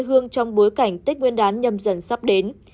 hương trong bối cảnh tích nguyên đán nhầm dần sắp đến